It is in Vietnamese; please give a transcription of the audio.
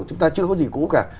chúng ta chưa có gì cũ cả